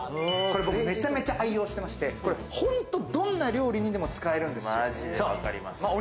これ僕めちゃめちゃ愛用していまして、ホントどんな料理にでも使マジで分かります。